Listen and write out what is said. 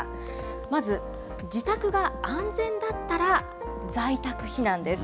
まず、自宅が安全だったら在宅避難です。